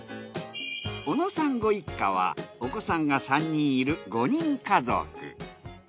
小野さんご一家はお子さんが３人いる５人家族。